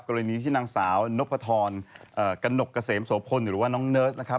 กรณีที่นางสาวนพธรกระหนกเกษมโสพลหรือว่าน้องเนิร์สนะครับ